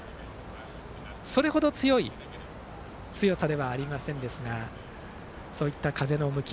それほど強い強さではありませんがそういった風の向き。